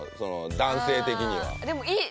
男性的には。